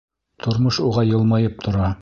Тормош уға йылмайып тора.